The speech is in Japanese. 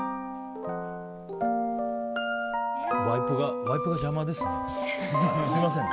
ワイプが邪魔ですね。